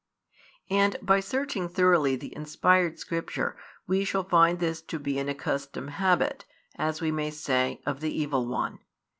And by searching thoroughly the inspired Scripture we shall find this to be an accustomed habit, as we may say, of the evil one.